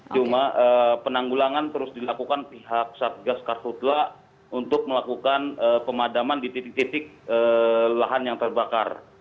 cuma penanggulangan terus dilakukan pihak satgas karhutla untuk melakukan pemadaman di titik titik lahan yang terbakar